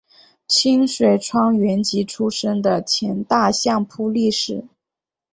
清水川元吉出身的前大相扑力士。